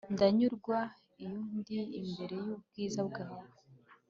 ndanyurwa iyo ndi imbere y'ubwiza bwawe